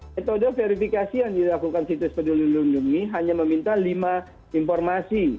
metode verifikasi yang dilakukan situs peduli lindungi hanya meminta lima informasi